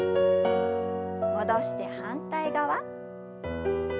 戻して反対側。